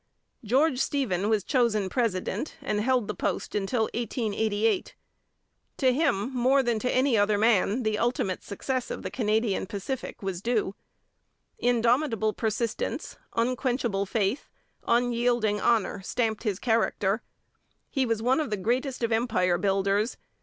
George Stephen was chosen president, and held the post until 1888. To him more than to any other man the ultimate success of the Canadian Pacific was due. Indomitable persistence, unquenchable faith, unyielding honour stamped his character. He was one of the greatest of Empire builders.